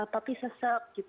papi sesak gitu